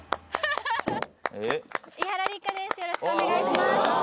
よろしくお願いします